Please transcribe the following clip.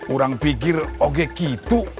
orang pikir oke gitu